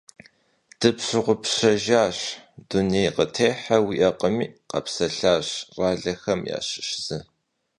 Дыпщыгъупщэжащ, дуней къытехьэ уиӀэкъыми, – къэпсэлъащ щӀалэхэм ящыщ зы.